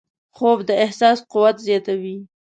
خوب د احساس قوت زیاتوي